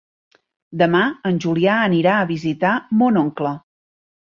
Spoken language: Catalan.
Demà en Julià anirà a visitar mon oncle.